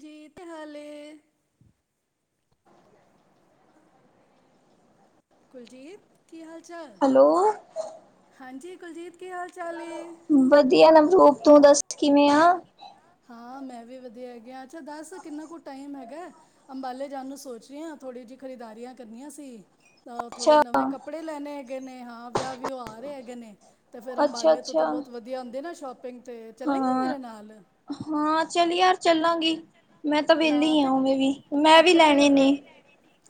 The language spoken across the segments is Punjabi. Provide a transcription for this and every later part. ਜੀਤ ਹਾਲ ਏ। ਕੁਲਜੀਤ ਕੀ ਹਾਲ-ਚਾਲ? ਹੈਲੋ ਹਾਂਜੀ ਕੁਲਜੀਤ ਕੀ ਹਾਲ-ਚਾਲ ਏ? ਵਧੀਆ ਨਵਰੂਪ ਤੂੰ ਦੱਸ ਕਿਵੇਂ ਆਂ? ਹਾਂ ਮੈਂ ਵੀ ਵਧੀਆ ਹੈਗੀ ਆਂ, ਅੱਛਾ ਦੱਸ ਕਿੰਨਾ ਕੁ ਟਾਈਮ ਹੈਗਾ। ਅੰਬਾਲੇ ਜਾਣ ਨੂੰ ਸੋਚ ਰੀ ਆਂ ਥੋੜ੍ਹੀ ਜੀ ਖਰੀਦਾਰੀਆਂ ਕਰਨੀਆਂ ਸੀ। ਤਾਂ ਥੋੜੇ ਅੱਛਾ, ਨਵੇਂ ਕੱਪੜੇ ਲੈਣੇ ਹੈਗੇ ਨੇ ਹਾਂ ਵਿਆ-ਵਿਉ ਆ ਰੇ ਹੈਗੇ ਨੇਂ। ਤੇ ਫਿਰ ਅੰਬਾਲੇ ਤੋਂ ਤਾਂ ਅੱਛਾ-ਅੱਛਾ ਬੋਤ ਵਧੀਆ ਹੁੰਦੀ ਨਾ ਸ਼ੋਪਿੰਗ ਤੇ ਚੱਲੇਗੀਂ ਹਾਂ, ਮੇਰੇ ਨਾਲ। ਹਾਂ ਚੱਲ ਯਾਰ ਚੱਲਾਂਗੀ, ਮੈਂ ਤਾਂ ਹਾਂ ਵੇਲੀ ਆ ਤੇ ਉਵੇਂ ਵੀ ਮੈਂ ਵੀ ਅੱਛਾ ਤੇ ਲੈਣੇ ਨੇ। ਅ,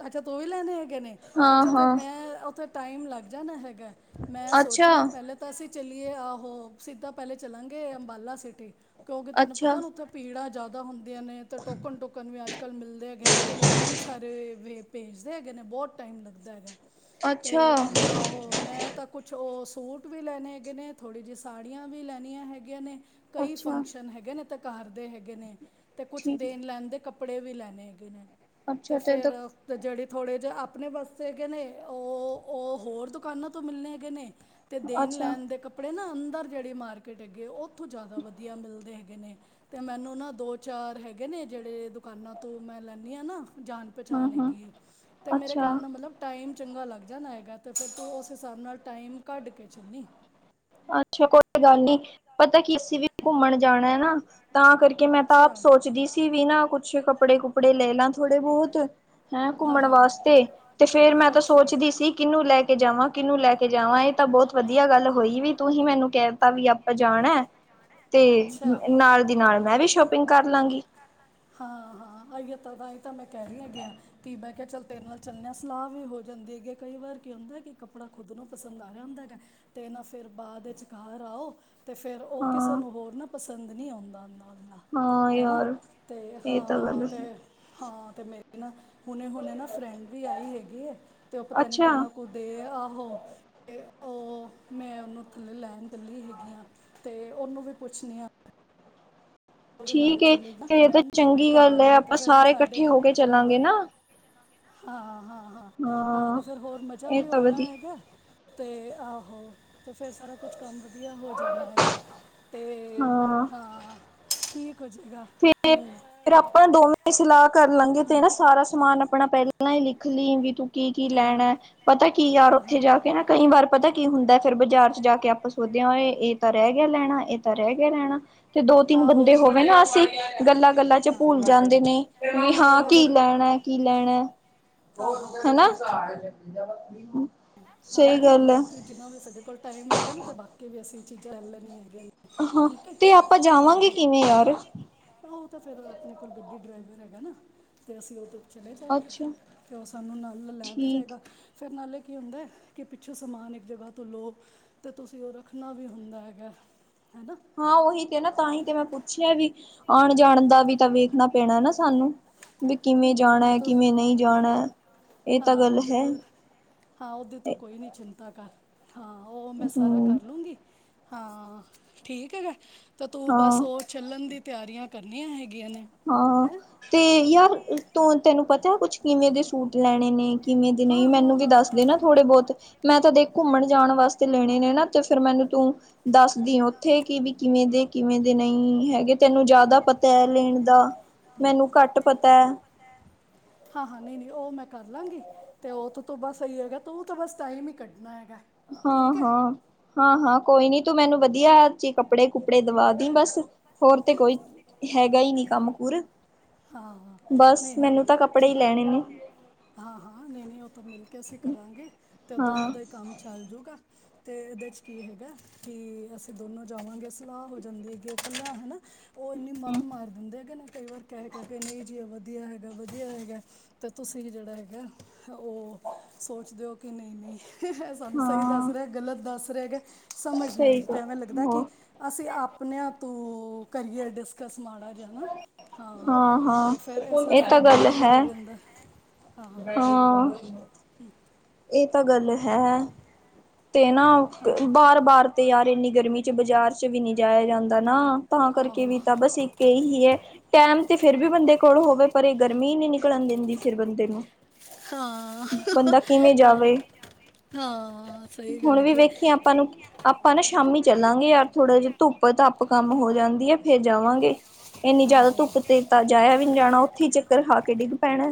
ਅੱਛਾ ਤੂੰ ਵੀ ਲੈਣੇ ਹੈਗੇ ਨੇ, ਅੱਛਾ ਤਾਂ ਹਾਂ-ਹਾਂ। ਮੈਂ ਉੱਥੇ ਟਾਈਮ ਲੱਗ ਜਾਣਾ ਹੈਗਾ। ਮੈਂ ਸੋਚ ਅੱਛਾ, ਰੀ ਆਂ ਪੈਲੇ ਤਾਂ ਅਸੀਂ ਚੱਲੀਏ ਆਹੋ ਸਿੱਧਾ ਪੈਲੇ ਚੱਲਾਂਗੇ ਅੰਬਾਲਾ ਸਿਟੀ। ਕਿਉਂਕਿ ਤੈਨੂੰ ਅੱਛਾ। ਪਤਾ ਉੱਥੇ ਪੀੜਾ ਜ਼ਿਆਦਾ ਹੁੰਦ ਦੀਆਂ ਨੇ ਤਾਂ ਟੋਕਨ-ਟੂਕਨ ਵੀ ਅੱਜ-ਕੱਲ ਮਿਲਦੇ ਹੈਗੇ ਨੇ ਤੇ ਲਾਈਨ ਸਾਰੇ ਵੇ ਭੇਜਦੇ ਹੈਗੇ ਨੇ ਬੋਤ ਟਾਈਮ ਲੱਗਦਾ ਹੈਗਾ ਅੱਛਾ, ਤੇ ਓ ਮੈਂ ਓ ਮੈਂ ਤਾਂ ਕੁਛ ਓ ਸੂਟ ਵੀ ਲੈਣੇ ਹੈਗੇ ਨੇ, ਥੋੜ੍ਹੀ ਜੀ ਸਾੜੀਆਂ ਵੀ ਲੈਣੀਆਂ ਹੈਗੀਆਂ ਨੇ। ਕਈ ਅੱਛਾ ਫੰਕਸ਼ਨ ਹੈਗੇ ਨੇ ਤੇ ਘਰ ਦੇ ਹੈਗੇ ਨੇ ਤੇ ਕੁਛ ਠੀਕ, ਦੇਣ ਲੈਣ ਦੇ ਕੱਪ ਕੱਪੜੇ ਵੀ ਲੈਣੇ ਹੈਗੇ ਨੇ ਤੇ ਅੱਛਾ ਫਿਰ ਤਾਂ ਤੇ ਜੇੜੇ ਥੋੜ੍ਹੇ ਜੇ ਆਪਣੇ ਵਾਸਤੇ ਹੈਗੇ ਨੇ ਓ ਓ ਹੋਰ ਦੁਕਾਨਾਂ ਤੋਂ ਮਿਲਣੇ ਹੈਗੇ ਨੇ। ਤੇ ਅੱਛਾ, ਦੇਣ-ਲੈਣ ਦੇ ਕੱਪੜੇ ਨਾ ਅੰਦਰ ਜੇੜੀ ਮਾਰਕੀਟ ਹੈਗੇ ਓ ਓਥੋਂ ਜ਼ਿਆਦਾ ਵਧੀਆ ਮਿਲਦੇ ਹੈਗੇ ਨੇ ਤੇ ਮੈਨੂੰ ਨਾ ਦੋ-ਚਾਰ ਹੈਗੇ ਨੇ ਜੇੜੇ ਦੁਕਾਨਾਂ ਤੋਂ ਮੈਂ ਲੈਂਣੀ ਆਂ ਨਾ ਜਾਣ ਪਛਾਣ ਹੂੰ-ਹੂੰ, ਹੈਗੀ ਐ ਤੇ ਮੇਰੇ ਅੱਛਾ। ਕੈਣ ਦਾ ਮਤਲਬ ਟਾਈਮ ਚੰਗਾ ਲੱਗ ਜਾਣਾ ਹੈਗਾ ਤੇ ਫਿਰ ਤੂੰ ਉਸ ਸਾਬ ਨਾਲ ਟਾਈਮ ਕੱਢ ਕੇ ਚੱਲੀ। ਅੱਛਾ ਕੋ ਈ ਤੇ ਗੱਲ ਨੀ ਪਤਾ ਕੀ ਅਸੀਂ ਵੀ ਘੁੰਮਣ ਜਾਣਾ ਐ ਨਾ। ਤਾਂ ਕਰਕੇ ਮੈਂ ਤਾਂ ਅੱਛਾ ਆਪ ਸੋਚਦੀ ਸੀ ਵੀ ਨਾ ਕੁਛ ਕੱਪੜੇ-ਕੁਪੜੇ ਲੈ ਲਾ ਥੋੜੇ ਬੋਤ ਹੈਂ ਹਾਂ ਘੁੰਮਣ ਹਾਂ ਵਾਸਤੇ ਤੇ ਫੇਰ ਮੈਂ ਤਾਂ ਸੋਚਦੀ ਸੀ ਕਿਨੂੰ ਲੈ ਕੇ ਜਾਵਾਂ। ਕਿਨੂੰ ਲੈ ਕੇ ਜਾਵਾਂ ਇਹ ਤਾਂ ਬੋਤ ਵਧੀਆ ਗੱਲ ਹੋਈ ਵੀ ਤੂੰ ਹੀ ਮੈਨੂੰ ਕੈਅ ਤਾ ਵੀ ਅਪ ਆਪਾਂ ਜਾਣਾ ਤੇ ਅੱਛਾ ਨਾਲ ਦੀ ਨਾਲ ਮੈਂ ਵੀ ਸ਼ੋਪਿੰਗ ਕਰ ਲਾਂਗੀ। ਹਾਂ ਹਾਂ ਆਈਔ ਤਾਂ ਤਾਂਹੀਂ ਤਾਂ ਮੈਂ ਕੈਅ ਰੀ ਹੈਗੀ ਆਂ। ਕੀ ਮੈਂ ਕੇਆ ਚੱਲ ਤੇਰੇ ਨਾਲ ਚੱਲੇਆਂ ਸਲਾਅ ਵੀ ਹੋ ਜਾਂਦੀ ਹੈਗੇ ਕਈ ਵਾਰ ਕੀ ਹੁੰਦਾ ਕੇ ਕੱਪੜਾ ਖੁਦ ਨੂੰ ਪਸੰਦ ਆ ਰੇਆ ਹੁੰਦਾ ਹੈਗਾ ਤੇ ਨਾ ਫੇਰ ਬਾਦ ਵੇਚ ਘਰ ਆਓ ਤੇ ਫੇਰ ਓ ਕੀਸੇ ਹਾਂ ਨੂੰ ਹੋਰ ਨੂੰ ਪਸੰਦ ਨੀ ਆਂਦਾ ਦਾ-ਦਾ ਹਾਂ ਹਨਾ ਯਾਰ ਤੇ ਇਹ ਤਾਂ ਹਾਂ ਗੱਲ ਤੇ ਹੈ। ਹਾਂ ਤੇ ਮੇਰੀ ਨਾ ਹੁਣੇ-ਹੁਣੇ ਨਾ ਫਰੈਂਡ ਵੀ ਆਈ ਹੈਗੀ, ਤੇ ਓ ਪਤਾ ਨੀ ਅੱਛਾ ਕੀਨਾ ਕੁ ਤੇ ਆਹੋ, ਤੇ ਓ ਮੈਂ ਓਨੂੰ ਥੱਲੇ ਲੈਣ ਚਲੀ ਹੈਗੀ ਆਂ ਤੇ ਓਨੂੰ ਵੀ ਪੁੱਛਨੀ ਆਂ ਓਦੇ ਨਾਲ ਠੀਕ ਏ ਚੱਲੇਗੀ ਤੇ ਫੇਰ ਇਹ ਮੈਂ ਤਾਂ ਓਨੂੰ ਵੀ ਚੰਗੀ ਗੱਲ ਹੈ ਕਾਂਗੀ ਤੇ ਆਪਾਂ ਫੇਰ ਸਾਰੇ ਸਾਡੇ, ਇਕੱਠੇ ਹੋ ਕੇ ਆਂ ਚੱਲਾਂਗੇ ਨਾ ਹਾਂ-ਹਾਂ-ਹਾਂ, ਹਾਂ ਤੇ ਫੇਰ ਹੋਰ ਮਜ਼ਾ ਇਹ ਵੀ ਤਾਂ ਔਣਾ ਵਧੀ ਹੈਗਾ ਤੇ ਆਹੋ ਤੇ ਫੇਰ ਸਾਰਾ ਕੁਛ ਕੰਮ ਵਧੀਆ ਹੋ ਜਾਂਦਾ ਹੈਗਾ ਤੇ ਹਾਂ ਠੀਕ ਹੋ ਜੇਗਾ ਫੇਰ, ਆਪਾਂ ਦੋਵੇਂ ਸਲਾਅ ਕਰ ਲਾਂਗੇ ਤੇ ਨਾ ਸਾਰਾ ਸਮਾਨ ਅਪਣਾ ਪੈਂਲਾਂ ਈ ਲਿਖ ਲੀਂ ਵੀ ਤੂੰ ਕੀ-ਕੀ ਹਾਂ ਲੈਣਾ ਐ ਪਤਾ ਕੀ ਯਾਰ ਹਾਂ ਹਾਂ ਓਥੇ ਜਾ ਕੇ ਨਾ ਕਈ ਵਾਰ ਪਤਾ ਕੀ ਹੁੰਦਾ ਫੇਰ ਬਾਜ਼ਾਰ ਚ ਜਾ ਕੇ ਆਪਾਂ ਸੋਚ ਦੇ ਆਂ ਓਏ ਏ ਤਾਂ ਰੈ ਗੇਆ ਲੈਣਾ ਏ ਤਾਂ ਰੈ ਗੇਆ ਲੈਣਾ ਤੇ ਦੋ-ਤਿੰਨ ਆਹੋ ਬੰਦੇ ਆਹੋ ਹੋਵੇ ਨਾ ਅਸੀਂ ਗੱਲਾਂ ਗੱਲਾਂ ਚ ਹਾਂ ਭੂਲ ਜਾਂਦੇ ਨੇ ਵੀ ਹਾਂ ਕੀ ਲੈਣੈ ਕੀ ਲੈਣੈ ਆਹੋ ਹਨਾ। ਸਹੀ ਆਹੋ ਗੱਲ ਹੋਰ ਹੈ ਕੀ ਜੀਨਾ ਵੀ ਸਾਡੇ ਕੋਲ ਟਾਈਮ ਹੋਗਾ ਨਾ ਤੇ ਬਾਕੀ ਵੀ ਅਸੀਂ ਚੀਜ਼ਾਂ ਲੈਣੀਆਂ ਹੈਗੀਆਂ ਨੇ ਹਾਂ ਠੀਕ ਤੇ ਆਪਾਂ ਜਾਵਾਂਗੇ ਕੀਵੇਂ ਯਾਰ। ਓ ਤਾਂ ਫੇਰ ਆਪਣੇ ਕੋਲ ਗੱਡੀ ਡਰਾਈਵਰ ਹੈਗਾ ਨਾ ਤੇ ਅਸੀਂ ਓਦੇ ਤੇ ਚਲੇ ਜਾਣਗੇ ਅੱਛਾ ਫੇਰ ਓ ਸਾਨੂੰ ਨਾਲ ਲੈ ਵੀ ਠੀਕ ਜਾਏਗਾ ਫੇਰ ਨਾਲੇ ਕੀ ਹੁੰਦਾ ਐ ਕੀ ਪੀਛੋਂ ਸਮਾਨ ਏਕ ਜਗਾ ਤੋਂ ਲੋ ਤੇ ਤੁਸੀਂ ਓ ਰੱਖਣਾ ਵੀ ਹੁਨ ਮੈ ਹੈਗਾ ਹਨਾ। ਹਾਂ ਓਹੀ ਤੇ ਨਾ ਤਾਂ ਹੀ ਤੇ ਮੈਂ ਪੁੱਛੇਆ ਵੀ ਆਣ-ਜਾਣ ਦਾ ਵੀ ਤਾਂ ਵੇਖਣਾ ਪੈਣਾ ਨਾ ਸਾਨੂੰ, ਵੀ ਨਹੀਂ ਕੀਵੇਂ ਨਹੀਂ ਉਹਦੇ ਜਾਣਾ ਤੋਂ ਕੀਵੇਂ ਨੲ ਈ ਜਾਣਾ। ਏ ਤਾਂ ਹਾਂ ਗੱਲ ਉਹਦੇ ਹੈ। ਤੋਂ ਹਾਂ ਓਦੇ ਤੋਂ ਕੋਈ ਨੀ ਚਿੰਤਾ ਕਰ ਹਾਂ ਓ ਮੈਂ ਸਾਰਾ ਹਮ ਕਰ ਲੂੰਗੀ ਹਾਂ ਠੀਕ ਹੈਗਾ ਤਾਂ ਤੂੰ ਬਸ ਹਾਂ ਓ ਚੱਲਣ ਦੀ ਤਿਆਰੀਆਂ ਕਰਨੀਆਂ ਹੈਗੀਆਂ ਨੇ। ਹਾਂ ਹੈਂ ਤੇ ਯਾਰ ਤੂੰ ਤੈਨੂੰ ਪਤਾ ਐ ਕੁਛ ਕੇਵੇਂ ਦੇ ਸੂਟ ਲੈਣੇ ਨੇ ਕੀਨੇ ਦੇ ਨਈ ਹਾਂ ਹਾਂ ਮੈਨੂੰ ਵੀ ਹਾਂ ਹਾਂ ਦੱਸਦੇ ਨਾ ਥੋੜੇ-ਬੋਤੇ ਮੈਂ ਤਾਂ ਦੇਖ ਘੁੰਮਣ ਜਾਣ ਵਾਸਤੇ ਲੈਣੇ ਨੇ ਨਾ ਤੇ ਫੇਰ ਮੈਨੂੰ ਤੂੰ ਦੱਸਦੀ ਓਥੇ ਕੀ ਵੀ ਕੀਵੇਂ ਦੇ ਕੀਵੇਂ ਦੇ ਨਈ ਹੈਗੇ ਤੈਨੂੰ ਜਾਦਾ ਪਤਾ ਲੇਨ ਦਾ ਮੈਨੂੰ ਘੱਟ ਪਤਾ ਐ। ਹਾਂ-ਹਾਂ ਨਈ-ਨਈ ਓ ਮੈਂ ਕਰ ਲਾਂਗੀ ਤੇ ਓਥੋਂ ਤੋਂ ਬਸ ਸਈ ਹੈਗਾ ਤੂੰ ਤਾਂ ਬਸ ਟਾਈਮ ਈ ਕੱਢਣਾ ਹੈਗਾ। ਠੀਕ ਹੈ ਹਾਂ-ਹਾਂ ਹਾਂ-ਹਾਂ ਕੋਈ ਨੀ ਤੂੰ ਮੈਨੂੰ ਵਧੀਆ ਚੇ ਕੱਪੜੇ-ਕੁਪੜੇ ਦਵਾ ਦੀ ਬਸ ਹੋਰ ਤੇ ਕੋਈ ਹੈਗਾ ਈ ਨੀ ਕੰਮ ਕੁਰ ਹਾਂ ਬਸ ਨਹੀਂ ਮੈਨੂੰ ਤਾਂ ਕੱਪੜੇ ਈ ਲੈਣੇ ਨੇ। ਹਾਂ-ਹਾਂ ਨੀ-ਨੀ ਓ ਤਾਂ ਮੇਲ ਕੇ ਅਸੀਂ ਕਰਾਂਗੇ ਤੇ ਹਾਂ, ਦੋਨਾਂ ਦਾ ਹੀ ਕੰਮ ਚੱਲ ਜੂਗਾ। ਤੇ ਏਦੈ ਚ ਕੀ ਹੈਗਾ ਕੀ ਅਸੀਂ ਦੋਨੋਂ ਜਾਵਾਂਗੇ ਸਲਾਅ ਹੋ ਜਾਂਦੀ ਹੈਗੀ ਓ ਪੈਂਲਾਂ ਹਨਾ ਓ ਏਨੀ ਮੱਤ ਮਾਰ ਦੀਂਦੇ ਹੈਗੇ ਨਾ ਕਈ ਵਾਰ ਕੈ-ਕੈ ਕੇ ਨਈ ਜੀ ਏ ਵਧੀਆ ਹੈਗਾ ਵਧੀਆ ਹੈਗਾ ਤਾਂ ਤੁਸੀਂ ਜੇੜਾ ਹੈਗਾ ਓ ਸੋਚਦੇ ਹੋ ਕੇ ਨਈ-ਨਈ ਸਾਨੂੰ ਸਹੀ ਦੱਸ ਹਾਂ ਰਿਆ ਗਲਤ ਦੱਸ ਰਿਆ ਹੈਗਾ ਕਿ ਸਮਝ ਨੀ ਸਈ ਆਂਦੀ ਗੱਲ ਤਾਂ ਐਵੇਂ ਲੱਗਦਾ ਹੋ ਕਿ। ਅਸੀਂ ਆਪਣਿਆਂ ਤੋਂ ਕਰੀਅਰ ਮਾੜਾ ਜਾ ਹਨਾ। ਹਾਂ ਹਾਂ, ਏ ਤਾਂ ਇਹ ਗੱਲ ਬੜਾ ਹੈ। ਜ਼ਰੂਰੀ ਹੁੰਦਾ ਹਾਂ। ਹੂੰ। ਏ ਤਾਂ ਗੱਲ ਹੈ ਤੇ ਨਾ ਹਾਂ ਵਾਰ ਵਾਰ ਤੇ ਯਾਰ ਇੰਨੀ ਗਰਮੀ। ਬਾਜ਼ਾਰ 'ਚ ਵੀ ਨੀ ਜਾਇਆ ਜਾਂਦਾ ਨਾ ਤਾਂ ਕਰਕੇ ਆਹੋ ਵੀ ਤਾਂ ਬਸ ਇੱਕ ਇਹੀ ਐ। ਟੈਮ ਤੇ ਫਿਰ ਵੀ ਬੰਦੇ ਕੋਲ ਹੋਵੇ ਪਰ ਇਹ ਗਰਮੀ ਨੀ ਨਿਕਲਣ ਦਿੰਦੀ ਫਿਰ ਬੰਦੇ ਨੂੰ। ਹਾਂ। ਬੰਦਾ ਕਿਵੇਂ ਆਹ, ਜਾਵੇ, ਹਾਂ ਸਹੀ ਗੱਲ ਹੁਣ ਵੀ ਹੈਗੀ ਹੈ। ਵੇਖੀਏ ਆਪਾਂ ਨੂੰ ਆਪਾਂ ਨਾ ਸ਼ਾਮੀ ਚੱਲਾਂਗੇ ਯਾਰ ਥੋੜ੍ਹਾ ਜਾ ਧੁੱਪ ਧਾਪ ਕੰਮ ਹੋ ਜਾਂਦੀ ਐ ਫੇਰ ਜਾਵਾਂਗੇ। ਇੰਨੀ ਜਿਆਦਾ ਆਹੋ ਧੁੱਪ ਤੇਜ ਤਾਂ ਜਾਇਆ ਵੀ ਨੀ ਜਾਣਾ ਓਥੀ ਚੱਕਰ ਖਾ ਕੇ ਡਿੱਗ ਪੈਣਾ।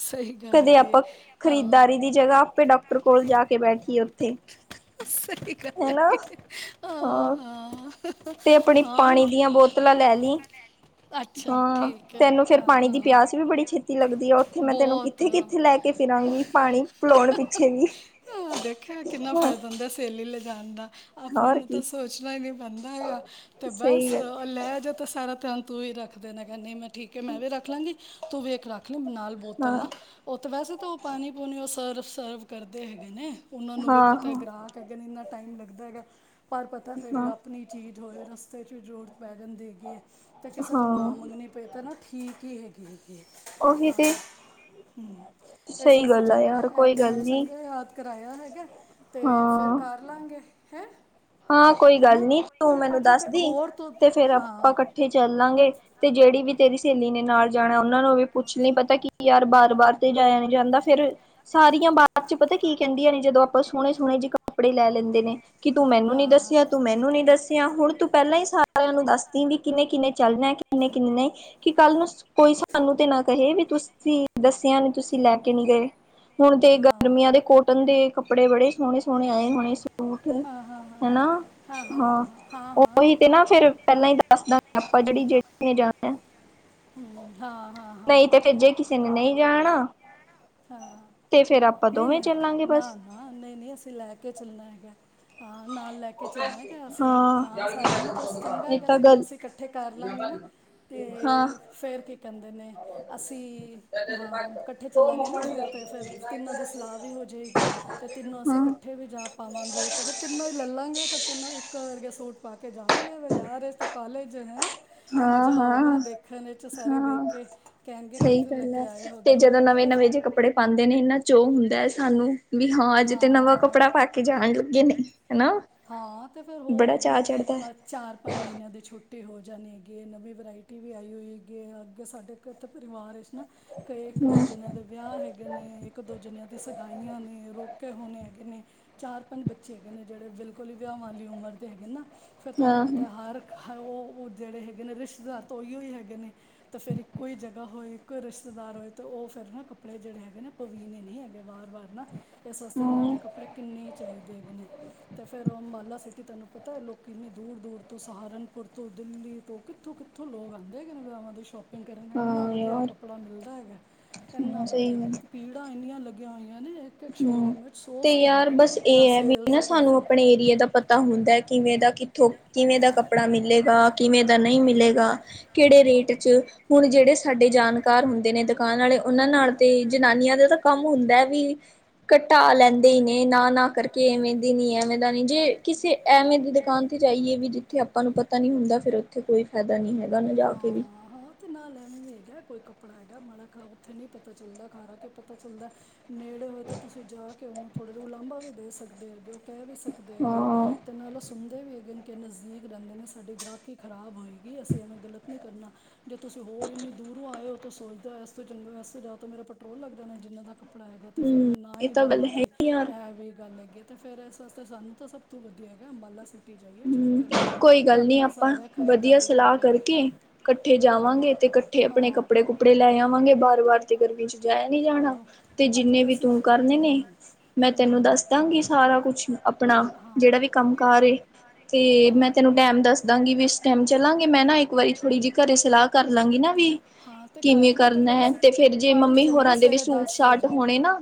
ਸਈ ਗੱਲ ਕਦੇ ਹੈਗੀ ਐ ਆਪਾਂ ਹਾਂ। ਖਰੀਦਦਾਰੀ ਦੀ ਜਗ੍ਹਾ ਆਪੇ ਡਾਕਟਰ ਕੋਲ ਜਾ ਕੇ ਬੈਠੀਏ ਉੱਥੇ, ਸਈ ਗੱਲ ਹਨਾ ਹੈਗੀ ਹਾਂ ਹਾਂ ਹਾਂ। ਖੁਲ੍ਹੀਆਂ ਬੋਤਲਾਂ ਲੈ ਲਈ। ਅੱਛਾ ਹਾਂ, ਠੀਕ ਹੈ ਤੈਨੂੰ ਫੇਰ ਹਾਂ ਪਾਣੀ ਹਾਂ ਦੀ ਪਿਆਸ ਵੀ ਬੜੀ ਛੇਤੀ ਲੱਗਦੀ ਆ ਉੱਥੇ ਹਾਂ ਮੈਂ ਤੈਨੂੰ ਕਿੱਥੇ ਬਹੁਤ ਕਿੱਥੇ ਲੈ ਕੇ, ਫਿਰਾਂਗੀ ਪਾਣੀ ਪਿਲੋਣ ਪਿੱਛੇ ਵੀ ਹਾਂ ਦੇਖਿਆ ਕਿੰਨਾ ਹਾਂ, ਫ਼ਾਇਦਾ ਸਹੇਲੀ ਲਿਜਾਣ ਦਾ ਆਪਣੇ ਹੋਰ ਨੂੰ ਤਾਂ ਕੀ ਸੋਚ ਸੋਚਣਾ ਨੀ ਪੈਂਦਾ ਹੈਗਾ ਤੇ ਬਸ ਸਹੀ ਗੱਲ ਲੈ ਜਾ ਤਾਂ ਸਾਰਾ ਧਿਆਨ ਤੂੰ ਈ ਰੱਖਦੇ ਨੇ ਹੈਗਾ ਨੀ ਮੈਂ, ਠੀਕ ਐ, ਮੈਂ ਵੀ ਰੱਖ ਲਾਂਗੀ ਤੂੰ ਵੀ ਇਕ ਰੱਖ ਲੀ ਨਾਲ ਬੋਤਲ ਨਾ। ਹਾਂ ਓ ਤੇ ਵੈਸੇ ਤਾਂ ਓ ਪਾਣੀ ਪੂਣੀ ਉਹ ਸਰਵ ਸਰਵ ਕਰਦੇ ਹੈਗੇ ਨੇ ਉਹਨਾਂ ਨੂੰ ਵੀ ਹਾਂ ਪਤਾ ਕਹਿ ਹਾਂ [unintelligible] ਇੰਨਾ ਟਾਈਮ ਲੱਗਦਾ ਹੈਗਾ ਪਰ ਪਤਾ ਫੇਰ ਹਾਂ ਆਪਣੀ। ਚੀਜ਼ ਹੋਵੇ ਰਸਤੇ ਚ ਵੀ ਜ਼ਰੂਰਤ ਪੈ ਜਾਂਦੀ ਹੈਗੀ ਏ ਤੇ ਕਿਸੇ ਕੋਲ ਨਾ ਹਾਂ ਮੰਗਣੇ। ਫਿਰ ਤਾਂ ਨਾ ਠੀਕ ਈ ਹੈਗੀ ਏ। ਉਹੀ ਹਾਂ ਤੇ ਹੂੰ, ਇਸ ਸਹੀ ਵਾਸਤੇ ਗੱਲ ਆ ਚੱਲ ਏ ਯਾਰ ਕੋਈ ਤਾਂ ਏ ਮੈਨੂੰ ਗੱਲ ਨੂੰ ਨੀ ਸੰਘਿਆ ਯਾਦ ਕਰਾਇਆ ਹੈਗਾ ਤੇ ਫਿਰ ਹਾਂ ਕਰ ਲਾਂਗੇ ਹੈ! ਹਾਂ, ਕੋਈ ਗੱਲ ਹੈਨਾ ਨੀ ਤੂੰ ਮੈਨੂੰ ਅੱਛਾ ਤੇ ਦੱਸਦੀ ਹੋਰ ਤੂੰ ਤੇ ਫੇਰ ਹਾਂ ਆਪਾਂ ਕੱ ਠੇ ਚੱਲਾਂਗੇ ਤੇ ਜਿਹੜੀ ਵੀ ਤੇਰੀ ਸਹੇਲੀ ਨੇ ਨਾਲ ਜਾਣਾ ਉਹਨਾਂ ਨੂੰ ਵੀ ਪੁੱਛ ਲੀ ਪਤਾ ਕੀ ਯਾਰ ਬਾਰ ਬਾਰ ਤੇ ਜਾਇਆ ਨੀ ਜਾਂਦਾ ਫਿਰ, ਸਾਰੀਆਂ ਬਾ ਚ ਪਤਾ ਕੀ ਕਹਿੰਦੀਆਂ ਨੇ ਜਦੋਂ ਆਪ ਸੋਹਣੇ ਸੋਹਣੇ ਜੇ ਕੱਪੜੇ ਲੈ ਲੈਂਦੇ ਨੇ ਕਿ ਤੂੰ ਨੇ ਮੈਨੂੰ ਨੀ ਹਾਂ ਦੱਸਿਆ ਤੂੰ ਮੈਨੂੰ ਨੀ ਦੱਸਿਆ। ਤੇ ਹੁਣ ਤੂੰ ਪਹਿਲਾਂ ਈ ਸਾਰਿਆਂ ਨੂੰ ਦੱਸਦੀ ਵੀ ਕਿੰਨੇ- ਕਿੰਨੇ ਚੱਲਣਾ ਕਿੰਨੇ-ਕਿੰਨੇ ਨੀ। ਕਿ ਕੱਲ ਨੂੰ ਕੋਈ ਸਾਨੂੰ ਤੇ ਨਾ ਕਹੇ ਵੀ ਤੁਸੀਂ ਦੱਸਿਆ ਨੀ ਤੁਸੀਂ ਲੈ ਕੇ ਨੀ ਗਏ। ਹੁਣ ਤੇ ਹਾਂ ਗਰਮੀਆਂ ਦੇ ਕੋਟਨ ਦੇ ਕੱਪੜੇ ਬੜੇ ਸੋਹਣੇ-ਸੋਹਣੇ ਆਏ ਹੋਣੇ ਸੂਟ। ਹਾਂ ਹਾਂ ਹਾਂ ਹਨਾ ਹਾਂ ਹਾਂ ਹਾਂ ਹਾਂ ਓਹੀ ਤੇ ਨਾ ਫੇਰ, ਪਹਿਲਾਂ ਈ ਦੱਸਦਾਂ ਆਪਾਂ ਜਿਹੜੀ-ਜਿਹੜੀ ਨੇ ਜਾਣਾ। ਹੂੰ, ਹਾਂ-ਹਾਂ, ਹਾਂ-ਹਾਂ, ਨਹੀਂ ਹਾਂ। ਤੇ ਫਿਰ ਜੇ ਕਿਸੇ ਨੇ ਨਹੀਂ ਜਾਣਾ ਹਾਂ ਤੇ ਫੇਰ ਆਪਾਂ ਦੋਵੇਂ ਚੱਲਾਂਗੇ ਬਸ। ਹਾਂ ਨਈ ਨਈ, ਅਸੀਂ ਲੈ ਕੇ ਚੱਲਾਣਾ ਹੈਗਾ ਹਾਂ ਨਾਲ ਲੈ ਕੇ। ਕੇ ਚੱਲਣਾ ਕੇ ਅਸੀਂ ਹਾਂ ਸਾਰਿਆਂ ਨੂੰ ਤੇ ਚੰਗਾ ਇਹ ਹੈਗਾ ਤਾਂ ਤੈਨੂੰ ਗੱਲ ਅਸੀਂ ਇਕੱਠੇ ਕਰ ਲਾਂਗੇ ਨਾ। ਹਾਂ ਤੇ ਫੇਰ ਕੀ ਕਹਿੰਦੇ ਨੇ ਅਸੀਂ ਹਾਂ ਇਕੱਠੇ, ਚੱਲਾਂਗੇ ਨਾ ਫਿਰ ਤੇ ਫਿਰ ਤਿੰਨਾਂ ਦੀ ਸਲਾਹ ਵੀ ਹੋਜੇਗੀ ਤੇ ਤਿੰਨੋ ਅਸੀਂ ਹਾਂ ਇਕੱਠੇ ਵੀ ਜਾ ਪਾਵਾਂਗੇ ਤਾਂ ਫੇਰ ਤਿੰਨੋ ਈ ਲੈ ਲਾਂਗੇ ਫਿਰ ਤਿੰਨੋ ਇੱਕ ਵਰਗੇ ਸੂਟ ਪਾ ਕੇ ਜਾਵਾ ਜਵਾਂਗੇ ਬਜ਼ਾਰ ਤੇ ਕਾਲਜ ਹੈਂ। ਹਾਂ ਮਜ਼ਾ ਹਾਂ ਆਉਗਾ ਦੇਖਣ ਵਿੱਚ, ਸਾਰੇ ਵੇਖ ਹਾਂ ਕੇ ਕਹਿਣਗੇ ਸਹੀ ਕਿੱਥੋਂ ਲੈ ਗੱਲ ਕੇ ਹੈ ਆਏ ਹੋ। ਤੇ ਜਦੋਂ ਤੇ ਨਵੇਂ-ਨਵੇਂ ਜਿਹੜਾ ਜੇ ਕੱਪੜੇ ਪਾਂਦੇ ਨੇ ਇੰਨਾਂ ਚੋ ਓ ਹੁੰਦਾ ਏ ਸਾਨੂੰ ਵੀ ਹਾਂ ਅੱਜ ਤੇ ਨਵਾਂ ਹਾਂ ਕੱਪੜਾ ਪਾ ਕੇ ਕੇ ਜਾਣ ਲੱਗੇ ਨਹੀ ਹੈਨਾ। ਹਾਂ ਤੇ ਫੇਰ ਹੋਰ ਅਗਲੇ ਚਾਰ-ਪੰਜ ਮਹੀਨਿਆਂ ਦੇ ਛੁਟ ਟੀ ਹੋ ਜਾਣੀ ਹੈਗੇ ਏ, ਨਵੀਂ ਵਰਾਇਟੀ ਵੀ ਆਈ ਹੋਈ ਹੈਗੀ ਅੱਗੇ ਸਾਡੇ ਘਰ ਤਾਂ ਪਰਿਵਾਰ ਚ ਹੈਨਾਂ ਕਈ ਇੱਕ-ਦੋ ਹਾਂ ਜਣੇਯਾ ਦੇ ਵਿਆਹ ਹੈਗੇ ਨੇ, ਇੱਕ-ਦੋ ਜਨੇਯਾ ਦੀ ਸਗਾਈਆਂ ਨੇ, ਰੋਕੇ ਹੋਣੇ ਹੈਗੇ ਨੇ। ਚਾਰ-ਪੰਜ ਬੱਚੇ ਹੈਗੇ ਨੇ ਜੇੜੇ ਬਿਲਕੁਲ ਈ ਵਿਆਵਾਂ ਵਾਲੀ ਉਮਰ ਦੇ ਹੈਗੇ ਨਾ ਫੇਰ ਤੁਆਨੂੰ ਹਾਂ ਪਤਾ ਹਰ ਹ ਓ-ਓ ਜੇੜੇ ਹੈਗੇ ਨੇ ਰਿਸ਼ਤੇਦਾਰ ਤਾਂ ਓਈਓ ਹੀ ਹੈਗੇ ਨੇ ਤਾਂ ਫੇਰ ਇਕੋ ਹੀ ਜਗਾ ਹੋਏ ਕੋਈ ਰਿਸ਼ਤੇਦਾਰ ਹੋਏ ਤਾਂ ਓ ਫੇਰ ਨਾ ਕੱਪੜੇ ਜੇੜੇ ਹੈਗੇ ਨ ਪਵੀਨ ਨਈ ਹੈਗੇ ਵਾਰ-ਵਾਰ ਹੈਨਾ ਏਸ ਆਸਤੇ ਹਾਂ ਨਵੇਂ ਕੱਪੜੇ ਕਿੰਨੇ ਈ ਚਾਈਦੇ ਹੈਗੇ ਨੇ। ਤੇ ਫੇਰ ਅੰਬਾਲਾ ਸਿਟੀ ਤੈਨੂੰ ਪਤਾ ਐ ਲੋਕੀ ਇੰਨੀ ਦੂਰ-ਦੂਰ ਤੋਂ ਸਹਾਰਨਪੁਰ ਤੋਂ, ਦਿੱਲੀ ਤੋਂ, ਕਿੱਥੋਂ-ਕਿੱਥ ਕਿਥੋਂ ਲੋਕ ਆਂਦੇ ਹੈਗੇ ਨੇ ਵਿਆਵਾ ਦੀ ਸ਼ੋਪ- ਪਿੰਗ ਕਰਨ ਨ ਏਨਾ ਹਾਂ ਵਧੀਆ ਯਾਰ ਕੱਪੜਾ ਮਿਲਦਾ ਹੈਗਾ ਏਨਾ ਹਾਂ ਸਹੀ ਵਧੀਆ। ਗੱਲ ਪੀੜਾਂ ਏਨੀਆਂ ਲੱਗੀਆਂ ਹੋਈਆਂ ਨੇ ਏਕ-ਏਕ ਹੂੰ ਸ਼ੋਅਰੂਮ ਵਿੱਚ ਸੌ-ਸੌ ਹੈਗੇ ਨੇ ਐ ਸੇਲਸ ਤੁਆਨੂੰ ਅਪਣੇ ਏਰੀਏ ਦਾ ਪਤਾ ਹੁੰਦਾ ਐ ਕਿਵੇਂ ਦਾ ਕਿੱਥੋਂ ਕਿਵੇਂ ਦਾ ਕੱਪੜਾ ਮਿਲੇਗਾ। ਕਿਵੇਂ ਦਾ ਨਈ ਮਿਲੇਗਾ ਕੇੜੇ ਰੇਟ ਚ ਹੁਣ ਜੇੜੇ ਸਾਡੇ ਜਾਣਕਾਰ ਹੁੰਦੇ ਨੇ ਦੁਕਾਨ ਆਲੇ ਓਨਾਂ ਨਾਲ ਤੇ ਜਨਾਨੀਆਂ ਦਾ ਤਾਂ ਕੰਮ ਹੁੰਦਾ ਐ ਵੀ ਕਟਾ ਲੈਂਦੇ ਈ ਨੇ ਨਾ-ਨਾ ਕਰਕੇ ਐਵੇਂ ਦੇ ਨੀ ਏ ਐਵੇਂ ਦਾ ਨੀ ਜੇ ਕਿਸੇ ਐਵੇਂ ਦੀ ਦੁਕਾਨ ਤੇ ਜਾਈਏ ਵੀ ਜਿੱਥੇ ਆਪਾਂ ਨੂੰ ਪਤਾ ਨੀ ਹੁੰਦਾ ਫੇਰ ਉੱਥੇ ਕੋਈ ਫੈਦਾ ਨੀ ਹੈਗਾ ਨਾ ਜਾ ਕੇ ਵੀ ਨਾ ਲੈਣੇ ਨੀ ਹੈਗਾ ਕੋਈ ਕੱਪੜਾ ਹੈਗਾ ਮਾੜਾ ਖਾਓ ਓੱਥੇ ਨੀ ਪਤਾ ਚੱਲਦਾ ਘਰ ਆ ਕੇ ਪਤਾ ਚੱਲਦਾ ਨੇੜੇ ਹੋਏ ਤਾਂ ਤੁਸੀਂ ਜਾ ਕੇ ਓਨੂੰ ਥੋੜ੍ਹੇ ਉਲਾਬਾਂ ਵੀ ਵੀ ਦੇ ਸਕਦੇ ਹੈਗੇ ਓ। ਕੈ ਵੀ ਸਕਦੇ ਹੈਗੇ ਓ ਹਾਂ ਤੇ ਨਾਲ ਓ ਸੁਣਦੇ ਵੀ ਹੈਗੇ ਨੇ ਕਿ ਨਜ਼ਦੀਕ ਰਹਿੰਦੇ ਨੇ ਸਾਡੀ ਗਾਕੀ ਖਰਾਬ ਹੋਈ ਕਿ ਅਸੀਂ ਐਵੇਂ ਗਲਤ ਨੀ ਕਰਨਾ। ਜੇ ਤੁਸੀਂ ਹੋਰ ਏਨੀ ਦੂਰੋਂ ਆਏ ਓ ਤਾਂ ਸੋਚਦੇ ਹੋ ਏਸ ਤੋਂ ਚੰਗਾ ਏਸ ਤੋਂ ਜਾ ਤਾਂ ਮੇਰਾ ਪੈਟਰੋਲ ਲੱਗ ਜਾਣਾ ਜਿੰਨਾ ਤੱਕ ਕਪੜਾ ਹੈਗਾ ਤੇ ਫੇਰ ਹੂੰ ਮੈਂ ਨਾ ਇਹ ਹੀ ਤਾਂ ਗੱਲ ਜਾਵਾਂ ਹੈ ਤੇ ਹੀ ਯਾਰ ਏਹ ਵੀ ਗੱਲ ਹੈਗੀ। ਤੇ ਫੇਰ ਏਸ ਆਸਤੇ ਸਾਨੂੰ ਤਾਂ ਸਭ ਤੋਂ ਵਧੀਆ ਹੈਗਾ ਅੰਬਾਲਾ ਸਿੱ ਟੀ ਜਾਈਏ ਚੁੱਪ ਹੂੰ, ਕਰਕੇ ਕੋਈ ਤੇ ਆਪਣਾ ਸਾਰਾ ਖਰੀਦਦਾਰੀ ਕਰਕੇ ਜਾਏ। ਕੱਠੇ ਹਾਂ ਜਾਵਾਂਗੇ ਤੇ ਕੱਠੇ ਆਪਣੇ ਹਾਂ ਕੱਪੜੇ-ਕੁਪੜੇ ਲੈ ਆਵਾਂਗੇ ਬਾਰ-ਵਾਰ ਤੇ ਗਰਮੀ ਚ ਜਾਯਾ ਨੀ ਜਾਣਾ। ਆਹੋ ਤੇ ਅੱਛਾ ਜਿੰਨੇ ਤਾਂ ਵੀ ਅਸੀਂ ਤੂੰ ਕਰਨੇ ਨੇ ਹੂੰ ਮੈਂ ਤੈਨੂੰ ਹੂੰ ਦੱਸ ਦਾਂਗੀ ਸਾਰਾ ਕੁਛ ਆਪਣਾ ਹਾਂ ਜੇੜਾ ਵੀ ਕੰਮ ਕਾਰ ਏ ਤੇ ਮੈਂ ਹਾਂ ਤੈਨੂੰ ਟੈਮ ਦੱਸਦਾਂਗੀ ਵੀ ਇਸ ਟੈਮ ਚੱਲਾਂਗੇ ਮੈਂ ਨਾ ਇੱਕ ਵਾਰੀ ਥੋੜੀ ਜਿ ਘਰੇ ਸਲਾਹ ਕਰ ਲਾਂਗੀ ਨਾ ਵੀ ਵੀ ਹਾਂ ਤੇ ਕਿਵੇਂ ਕਰ ਲੈ ਕਰਨਾ ਫਿਰ ਕਿਵੇਂ ਐ ਅਸੀਂ ਤੇ ਫੇਰ ਤੇ ਕੱਲ੍ਹ ਪਿਛਲੇ ਮੰਮੀ ਚੱਲਣਾ ਹੋਰਾਂ ਦੇ ਵੀ ਸਵੇਰੇ ਹਫ਼ਤਾ ਸੂਟ ਦਸ ਵਿੱਚ ਸਾਟ ਵਜੇ ਹੋਣੇ ਨਾ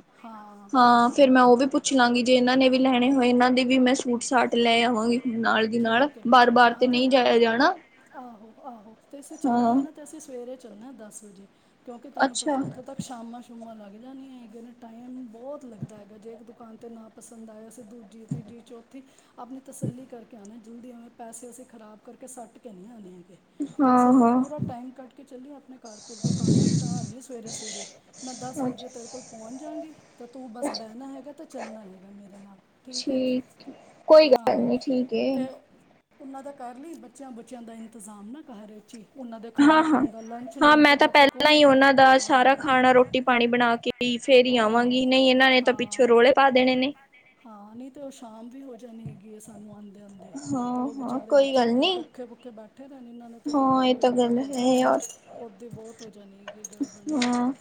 ਹਾਂ ਫੇਰ ਮੈਂ ਓਵੀ ਪੁੱਛ ਲਾਂਗੀ ਜੇ ਏਨਾਂ ਨੇ ਵੀ ਲੈਣੇ ਹੋਏ ਏਨਾਂ ਦੀ ਵੀ ਮੈਂ ਸੂਟ ਸਾਟ ਲੈ ਆਵਾਂਗੀ‌ ਨਾਲ ਦੀ ਨਾਲ ਬਾਰ-ਬਾਰ ਤੇ ਨਈ ਜਾਯਾ ਜਾਣਾ। ਆਹੋ ਆਹੋ ਤੇ ਅਸੀਂ ਹਾਂ ਚੱਲਾਂਗੇ ਨਾ ਤੇ ਅਸੀਂ ਸਵੇਰੇ ਚੱਲਣਾ ਦਸ ਵਜੇ ਕਿਉਂਕਿ ਤਾਨੂੰ ਅੱਛਾ ਪਤਾ ਓਥੇ ਤੱਕ ਛਾਮਾ ਛੂਮਾ ਲੱਗ ਜਾਨੀਆ ਹੈਗੀਆਂ ਨੇ ਟਾਈਮ ਬੋਤ ਲੱਗਦਾ ਹੈਗਾ ਜੇ ਏਕ ਦੁਕਾਨ ਤੇ ਨਾ ਪਸੰਦ ਆਯਾ ਸੀਂ ਦੂਜੀ-ਤੀਜੀ-ਚੌਥੀ ਆਪਣੀ ਤਸੱਲੀ ਕਰਕੇ ਆਣਾ ਜਲਦੀ ਐਵੇਂ ਪੈਸੇ ਅਸੀਂ ਖ਼ਰਾਬ ਕਰਕੇ ਸੱਟ ਕੇ ਨੀ ਆਣੇ ਹੈਗੇ ਤੇ ਏਸ ਹਾਂ ਆਸਤੇ ਹਾਂ ਪੂਰਾ ਟਾਈਮ ਕੱਡ ਕੇ ਚੱਲੀਏ ਆਪਣੇ ਘਰ ਘੁਰ ਦਾ ਕੰਮ ਨਿਪਟਾ ਲੀ ਸਵੇਰੇ-ਸਵੇਰੇ ਮੈਂ ਦਸ ਅੱਛਾ ਵਜੇ ਤੇਰੇ ਕੋਲ ਪੋਜ ਜਾਗੀ ਤਾਂ ਤੂੰ ਬਸ ਬੈਨਾ ਹੈਗਾ ਤੇ ਚੱਲਣਾ ਹੈਗਾ ਮੇਰੇ ਨਾਲ ਠੀਕ, ਕੋਈ ਗੱਲ ਨੀ ਠੀਕ ਏ। ਉਨਾਂ ਦਾ ਕਰ ਲੀ ਬੱਚਿਆਂ ਬੁੱਚਿਆਂ ਦਾ ਇੰਤਜ਼ਾਮ ਨਾ ਘਰ ਇਚ ਹੀ। ਉਹਨਾਂ ਦੇ ਹਾਂ, ਖਾਣ ਹਾਂ, ਖੂਨ ਦਾ ਲੰਚ ਹਾਂ ਲੁੰਚ ਮੈਂ ਤਾਂ ਦਾ ਤੂੰ ਪਹਿਲਾਂ ਕੋਣ ਹੀ ਉਹਨਾਂ ਦਾ ਹਾਂ ਸਾਰਾ ਖਾਣਾ, ਰੋਟੀ-ਪਾਣੀ ਬਣਾਕੇ ਕੀ ਫੇਰ ਹੀ ਆਹੋ ਆਵਾਂਗੀ ਨਹੀਂ ਇਹਨਾਂ ਨੇ ਤਾਂ ਪਿੱਛੋਂ ਹਾਂ ਰੌਲੇ ਪਾ ਦੇਣੇ ਨੇ ਹਾਂ, ਨਹੀਂ ਤੇ ਉਹ ਸ਼ਾਮ ਵੀ ਹੋ ਜਾਣੀ ਹੈਗੀ ਏ, ਸਾਨੂੰ ਆਉਂ ਆਦੇ-ਆਦੇ, ਹਾਂ ਉਹ ਹਾਂ ਵਿਚਾਰੇ ਕੋਈ ਬੱਚੇ ਗੱਲ ਕਿਧਰੇ ਨੀ ਭੁੱਖੇ ਭੁੱਖੇ ਬੈਠੇ ਉੱਠੇ ਰਹਿ ਇਹਨਾਂ ਨੇ ਤਾਂ ਫੇਰ ਹਾਂ ਇਹ ਬਾਹਰੋਂ ਹੀ ਤਾਂ ਔਡਰ ਗੱਲ ਕਰਦਾ ਹੈ ਰਹਿੰਨੇ, ਯਾਰ ਓਦੇ ਬਹੁਤ ਹੋ ਜਾਣੀ ਹੈਗੀ ਗੜਬੜਨਾ ਹਾਂ।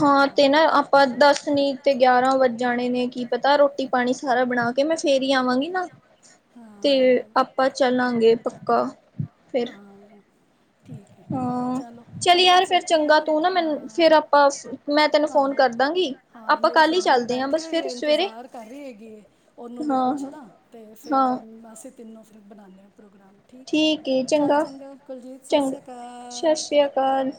ਹਾਂ, ਤੇ ਨਾ ਆਪਾਂ ਦਸ ਨੀ ਤੇ ਗਿਆਰਾਂ ਵੱਜ ਜਾਣੇ ਨੇ ਕੀ ਪਤਾ ਰੋਟੀ ਪਾਣੀ ਸਾਰਾ ਬਣਾ ਕੇ ਮੈਂ ਫੇਰ ਹੀ ਆਵਾਂਗੀ ਨਾ, ਹਾਂ ਤੇ ਆਪਾਂ ਚੱਲਾਂਗੇ ਪੱਕਾ ਫਿਰ ਹਾਂ ਠੀਕ ਏ, ਹਾਂ ਚਲੋ ਚੱਲ ਚੰਗਾ ਯਾਰ ਫਿਰ ਫੇਰ ਹੈ ਚੰਗਾ ਤੂੰ ਨਾ ਮੈਨੂੰ ਹਾਂ ਫਿਰ ਆਪਾਂ ਮੈਂ ਤੈਨੂੰ ਆਹੋ ਫੋਨ ਕਰਦਾਂਗੀ ਹਾਂ, ਆਪਾਂ ਮੇਰੀ ਕੱਲ ਹੀ ਸਹੇਲੀ ਵੀ ਚੱਲਦੇ ਹਾਂ ਬੈਠੀ ਬਸ ਹੋਈ ਫਿਰ ਹੈ ਸਵੇਰੇ ਇੰਤਜ਼ਾਰ ਕਰ ਰਹੀ ਹੈਗੀ, ਉਹਨੂੰ ਵੀ ਹਾਂ ਪੁੱਛ ਹਾਂ ਲਾਂ ਅਤੇ ਫੇਰ ਹਾਂ ਬਸਂ ਤਿੰਨੋਂ ਫੇਰ ਬਣਾਉਦੇ ਹਾਂ, ਪ੍ਰੋਗਰਾਮ ਠੀਕ ਹੈ। ਓਕੇ ਚੱਲ ਚੰਗਾ ਕੁਲਜੀਤ ਸਤਿ ਚੰਗਾ ਸ਼੍ਰੀ ਸਤਿ ਅਕਾਲ ਸ਼੍ਰੀ ਅਕਾਲ